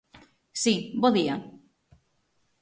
Si, bo día.